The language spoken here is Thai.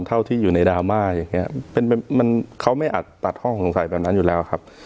เท่าที่อยู่ในดราม่าอย่างนี้มันเขาไม่อาจตัดข้อสงสัยแบบนั้นอยู่แล้วครับ